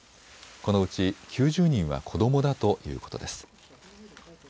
このうち９０人は子どもだということです。